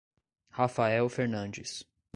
Rafael Fernandes